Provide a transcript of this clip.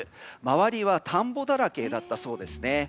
周りは田んぼだらけだったそうです。